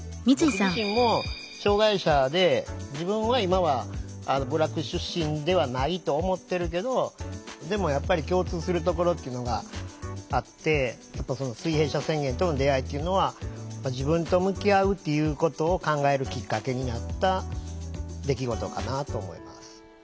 僕自身も障害者で自分は今は部落出身ではないと思ってるけどでもやっぱり共通するところっていうのがあって水平社宣言との出会いっていうのは自分と向き合うっていうことを考えるきっかけになった出来事かなと思います。